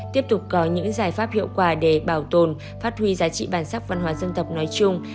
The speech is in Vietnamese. tiếp tục có những giải pháp hiệu quả để bảo tồn phát huy giá trị bản sắc văn hóa dân tộc nói chung